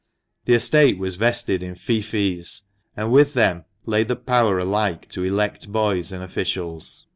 The estate was vested in feoffees, and with them lay the power alike to elect boys and officials.